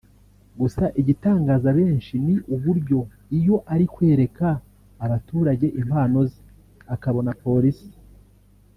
Gusa igitangaza benshi ni uburyo iyo ari kwereka abaturage impano ze akabona polisi